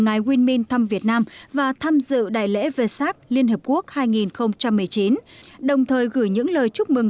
ngài winmin thăm việt nam và tham dự đại lễ v sac liên hợp quốc hai nghìn một mươi chín đồng thời gửi những lời chúc mừng